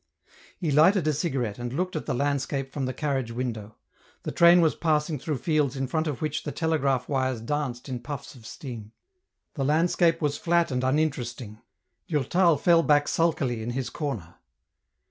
" He lighted a cigarette, and looked at the landscape from the carriage window ; the train was passing through fields in front of which the telegraph wires danced in puffs of steam ; the landscape was flat and uninteresting. Durta! fell back sulkily in his corner.